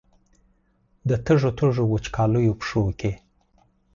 د تږو، تږو، وچکالیو پښو کې